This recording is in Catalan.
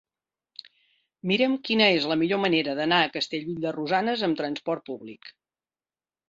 Mira'm quina és la millor manera d'anar a Castellví de Rosanes amb trasport públic.